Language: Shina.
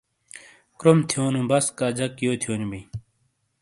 کروم تھِیونو بَسکا جَک یو تھیونی بئیں۔